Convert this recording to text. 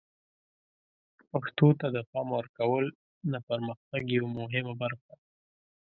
پښتو ته د پام ورکول د پرمختګ یوه مهمه برخه ده.